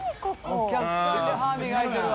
お客さんで歯磨いてるわ。